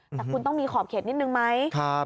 แต่คุณต้องมีขอบเขตนิดนึงไหม